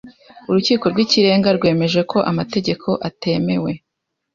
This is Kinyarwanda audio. Urukiko rw'Ikirenga rwemeje ko amategeko atemewe.